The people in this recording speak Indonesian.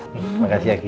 terima kasih kiki